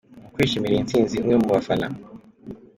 Mu kwishimira iyi ntsinzi, umwe mu bafana